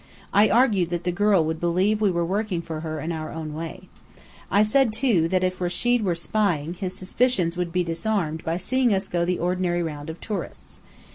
I argued that the girl would believe we were working for her in our own way. I said, too, that if Rechid were spying, his suspicions would be disarmed by seeing us go the ordinary round of tourists.